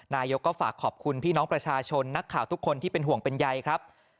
นายกก็ฝากขอบคุณพี่น้องประชาชนนักข่าวทุกคนที่เป็นห่วงเป็นใยครับ